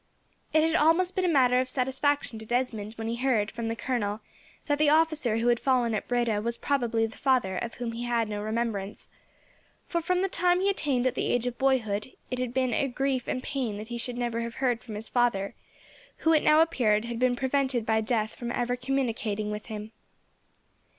It had almost been a matter of satisfaction to Desmond when he heard, from the colonel, that the officer who had fallen at Breda was probably the father of whom he had no remembrance; for, from the time he attained the age of boyhood, it had been a grief and pain that he should never have heard from his father, who, it now appeared, had been prevented by death from ever communicating with him.